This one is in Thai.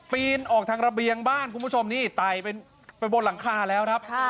ปีนออกทางระเบียงบ้านคุณผู้ชมนี่ไต่ไปบนหลังคาแล้วครับ